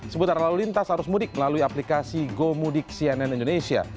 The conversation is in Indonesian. seputar lalu lintas arus mudik melalui aplikasi gomudik cnn indonesia